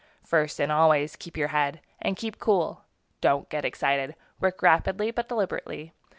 First and always, keep your head, and keep cool. Don't get excited. Work rapidly, but deliberately.